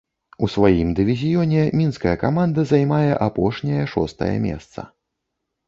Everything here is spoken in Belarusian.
У сваім дывізіёне мінская каманда займае апошняе шостае месца.